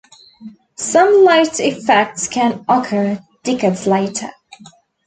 Some late effects can occur decades later.